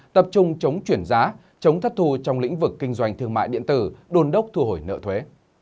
tập trung chống chuyển giá chống thất thù trong lĩnh vực kinh doanh thương mại điện tử đôn đốc thu hồi nợ thuế